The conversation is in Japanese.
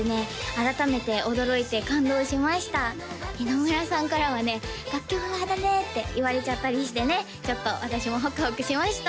改めて驚いて感動しました野村さんからはね「楽曲派だね」って言われちゃったりしてねちょっと私もホクホクしました